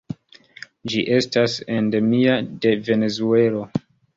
Ĝi estas endemia de Venezuelo.